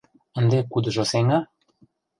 Ынде кудыжо сеҥа?